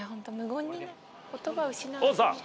言葉失う。